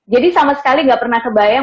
jadi sama sekali gak pernah kebayang